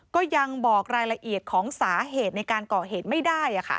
ก็ยังบอกรายละเอียดของสาเหตุในการก่อเหตุไม่ได้